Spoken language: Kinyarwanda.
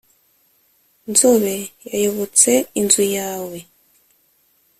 nzobe yayobotse inzu yawe